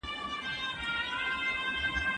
انتيک پلورونکي څومره قيمت وويلی؟